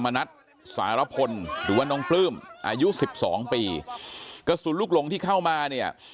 มณัฐสารพลหรือว่าน้องปลื้มอายุสิบสองปีกระสุนลูกหลงที่เข้ามาเนี่ย